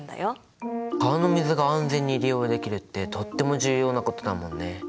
川の水が安全に利用できるってとっても重要なことだもんね。